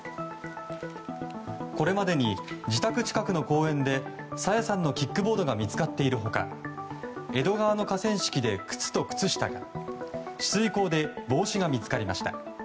これまでに自宅近くの公園で朝芽さんのキックボードが見つかっている他江戸川の河川敷で靴と靴下が取水口で帽子が見つかりました。